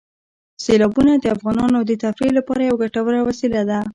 سیلابونه د افغانانو د تفریح لپاره یوه ګټوره وسیله ده.